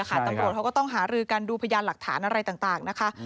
ตำรวจเขาก็ต้องหารือกันดูพยานหลักฐานอะไรต่างนะคะ